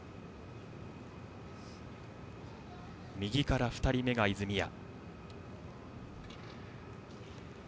右から２人目が泉谷。